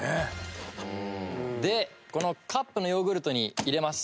でこのカップのヨーグルトに入れます。